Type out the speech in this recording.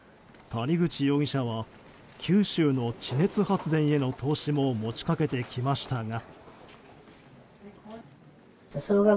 谷口容疑者は九州の地熱発電への投資も持ち掛けてきましたが。